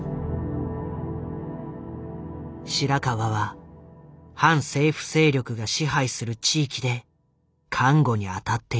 白川は反政府勢力が支配する地域で看護に当たっていた。